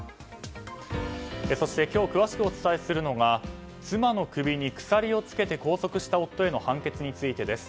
そして今日詳しくお伝えするのが妻の首に鎖を付け拘束した夫への判決についてです。